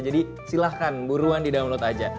jadi silahkan buruan di download aja